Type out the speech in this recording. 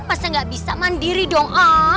pasti gak bisa mandiri dong